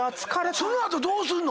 その後どうすんの？